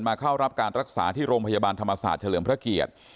เข้ารับการรักษาที่โรงพยาบาลธรรมศาสตร์เฉลิมพระเกียรติ